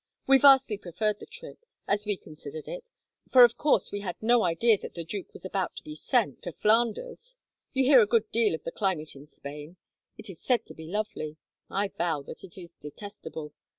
We vastly preferred the trip, as we considered it, for of course we had no idea that the duke was about to be sent to Flanders. You hear a good deal of the climate of Spain. It is said to be lovely. I vow that it is detestable.